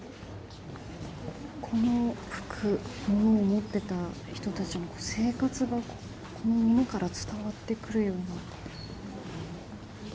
この服、物を持っていた人たちの生活が、このものから伝わってくるようです。